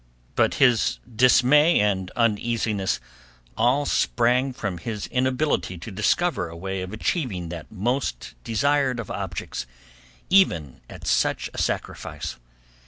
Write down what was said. But his dismay and uneasiness all sprang from his inability to discover a way of achieving that most desired of objects even at such a sacrifice.